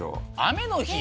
雨の日？